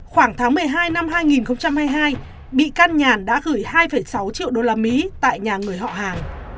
khoảng tháng một mươi hai năm hai nghìn hai mươi hai bị can nhàn đã gửi hai sáu triệu usd tại nhà người họ hàng